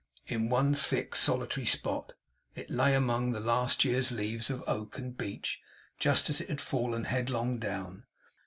In one thick solitary spot, it lay among the last year's leaves of oak and beech, just as it had fallen headlong down.